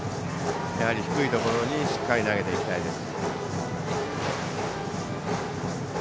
やはり低いところにしっかり投げていきたいです。